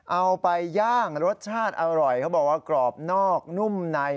เอาไปย่างรสชาติอร่อยเขาบอกว่ากรอบนอกนุ่มใน